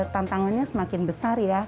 tantangannya semakin besar ya